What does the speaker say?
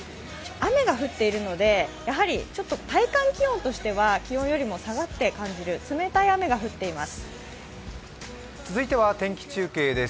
雨が降っているので、ちょっと体感気温としては気温よりも下がって感じる冷たい雨が降っています。